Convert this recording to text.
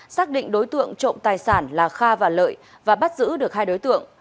xác định đối tượng trộm tài sản là kha và lợi và bắt giữ được hai đối tượng